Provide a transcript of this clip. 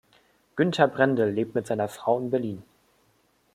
Günther Brendel lebt mit seiner Frau in Berlin.